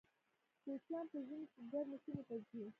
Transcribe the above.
کوچیان په ژمي کې ګرمو سیمو ته ځي